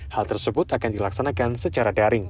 hal tersebut akan dilaksanakan secara daring